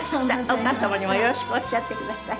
お母様にもよろしくおっしゃってください。